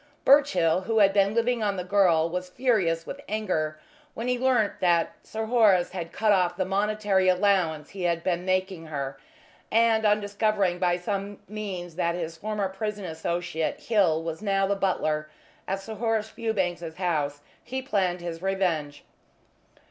Birchill, who had been living on the girl, was furious with anger when he learnt that Sir Horace had cut off the monetary allowance he had been making her, and, on discovering by some means that his former prison associate Hill was now the butler at Sir Horace Fewbanks's house, he planned his revenge.